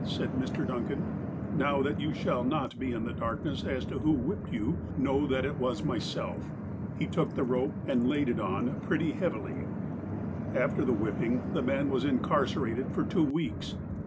said Mr. Duncan. ''Now, that you shall not be in the darkness as to who whipped you, know that it was myself." He took the rope, and laid it on pretty heavily. After the whipping, the man was incarcerated for two weeks.